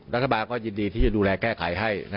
รัฐบาลก็ยินดีที่จะดูแลแก้ไขให้